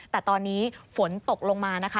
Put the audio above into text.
แต่ตอนนี้ฝนตกลงมานะคะ